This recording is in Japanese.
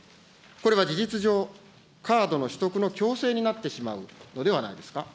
これは事実上、カードの取得の強制になってしまうのではないですか。